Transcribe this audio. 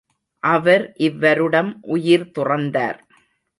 அவர் இவ்வருடம் உயிர் துறந்தார்.